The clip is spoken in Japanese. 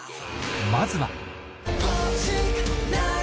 まずは